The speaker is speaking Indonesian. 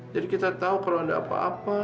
jadi kita tahu kalau ada apa apa